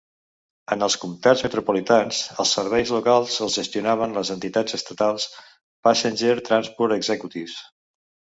En els comtats metropolitans, els serveis locals els gestionaven les entitats estatals Passenger Transport Executives.